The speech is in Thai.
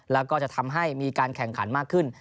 แล้วก็จะทำให้มีการแข่งขันมากขึ้น